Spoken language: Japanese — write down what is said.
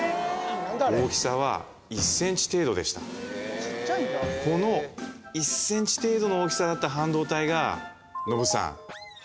大きさは１ｃｍ程度でしたこの１ｃｍ程度の大きさだった半導体がノブさん